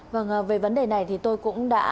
vâng về vấn đề này thì tôi cũng đã